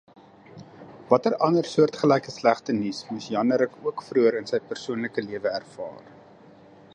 Watter ander soortgelyke slegte nuus moes Jannerik ook vroeër in sy persoonlike lewe ervaar?